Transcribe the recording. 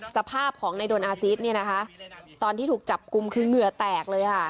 สภาพของนายโดนอาซีสเนี่ยนะคะตอนที่ถูกจับกลุ่มคือเหงื่อแตกเลยค่ะ